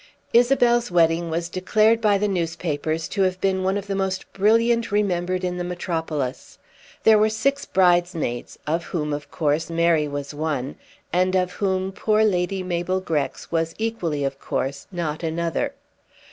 Isabel's wedding was declared by the newspapers to have been one of the most brilliant remembered in the metropolis. There were six bridesmaids, of whom of course Mary was one, and of whom poor Lady Mabel Grex was equally of course not another.